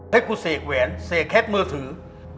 เฮ็กกุเสกแหวนเสกเคสมือถือ